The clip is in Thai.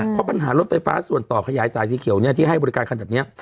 เพราะปัญหารถไฟฟ้าส่วนต่อขยายสายสีเขียวที่ให้บริการขนาดนี้